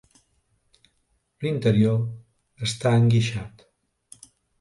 L'interior està enguixat.